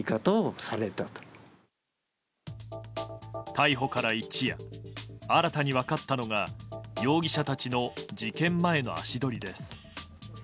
逮捕から一夜新たに分かったのが容疑者たちの事件前の足取りです。